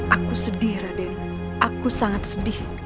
aku sedih raden aku sangat sedih